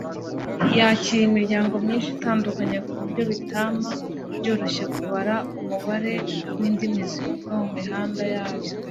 Yakira imiryango myinshi itandukanye kuburyo bitama byoroshye kubara umubare windimi zivugwa mumihanda yayo